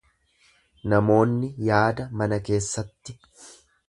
Namoonni yaada mana keessatti.